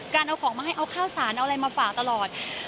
เอาของมาให้เอาข้าวสารเอาอะไรมาฝากตลอด